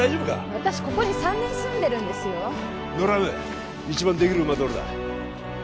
私ここに３年住んでるんですよドラム一番できる馬どれだ？